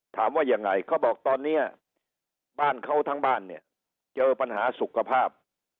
ถามว่ายังไงเขาบอกตอนนี้บ้านเขาทั้งบ้านเนี่ยเจอปัญหาสุขภาพ